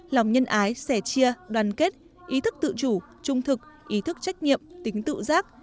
lòng nhân ái sẻ chia đoàn kết ý thức tự chủ trung thực ý thức trách nhiệm tính tự giác